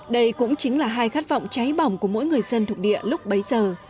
đây cũng chính là hai khát vọng cháy bỏng của mỗi người dân thuộc địa lúc bấy giờ